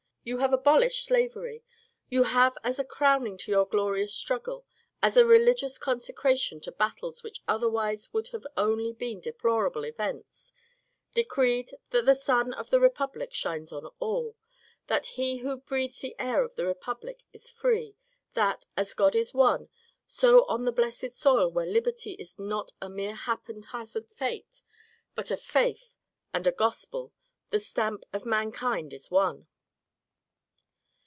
You have abolished slavery ; you have as a crowning to your glorious struggle, as a religious consecration to battles which otherwise would have only been deplorable events, de creed that the sun of the Republic shines on all, that he who breathes the air of the Republic is free, that, as God is one, so on the blessed soil where liberty is not a mere hap and hsLzsLTd Jate^ but a faith and a gospel, the stamp of mankind is one.